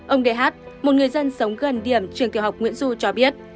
ông đệ hát một người dân sống gần điểm trường tiểu học nguyễn du cho biết